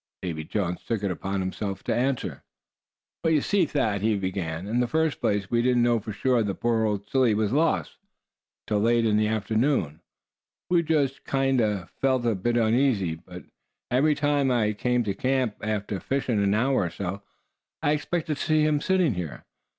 Davy Jones took it upon himself to answer. "You see, Thad," he began, "in the first place we didn't know for sure the poor old silly was lost, till late in the afternoon. We just kinder felt a bit uneasy, but every time I came to camp after fishin' an hour or so, I expected to see him sitting here."